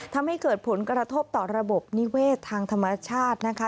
ทำให้เกิดผลกระทบต่อระบบนิเวศทางธรรมชาตินะคะ